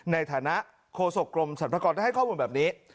ในฐานะโฆษกรมสรรพากรได้ให้ข้อมูลแบบนี้